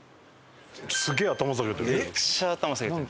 すげえ頭下げてる。